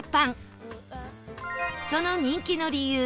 その人気の理由